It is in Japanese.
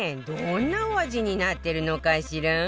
どんなお味になってるのかしら？